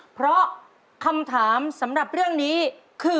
เพราะคำถามสำหรับเรื่องนี้คือ